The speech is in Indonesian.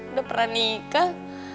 udah pernah nikah